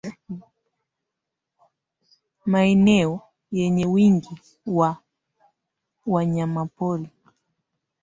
Maeneo yenye wingi wa wanyamapori